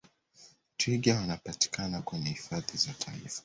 twiga Wanapatikana kwenye hifadhi za taifa